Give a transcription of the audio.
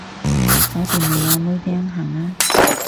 搞掂未啊妹釘，行啦